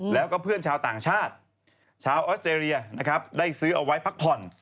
แล้วก็เพื่อนชาวต่างชาติชาวออสเตรเลียนะครับได้ซื้อเอาไว้พักผ่อน